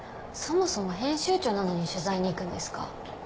そもそも編集長なのに取材に行くんですか？